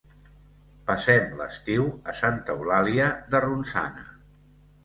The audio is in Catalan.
Passem l'estiu a Santa Eulàlia de Ronçana.